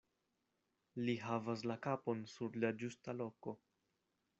Li havas la kapon sur la ĝusta loko.